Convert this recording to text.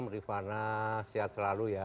rifana sehat selalu ya